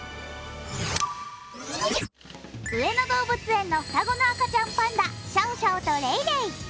上野動物園の双子の赤ちゃんパンダシャオシャオとレイレイ。